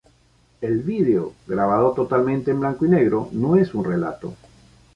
El vídeo, grabado totalmente en blanco y negro, no es un relato.